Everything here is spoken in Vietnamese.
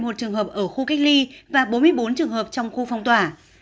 một trăm một mươi một trường hợp ở khu cách ly và bốn mươi bốn trường hợp trong khu phong tỏa